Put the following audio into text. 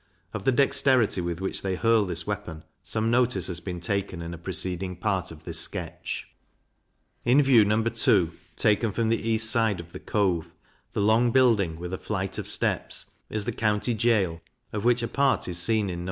Of the dexterity with which they hurl this weapon, some notice has been taken in a preceding part of this sketch. In View, No. II. taken from the East side of the Cove, the long building, with a flight of steps, is the County Gaol, of which a part is seen in No.